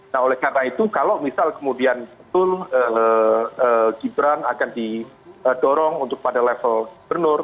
nah oleh karena itu kalau misal kemudian betul gibran akan didorong untuk pada level gubernur